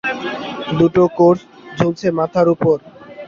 দুটো কোর্স ঝুলছে মাথার উপর।